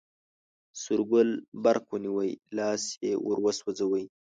سور ګل برق ونیوی، لاس یې وروسوځوی.